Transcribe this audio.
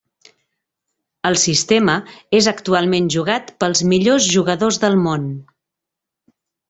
El sistema és actualment jugat pels millors jugadors del món.